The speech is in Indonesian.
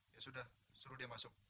ya sudah suruh dia masuk